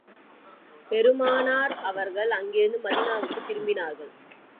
பெருமானார் அவர்கள் அங்கிருந்து மதீனாவுக்குத் திரும்பினார்கள்.